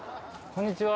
こんにちは。